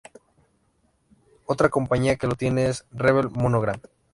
Otra compañía que lo tiene es Revell Monogram.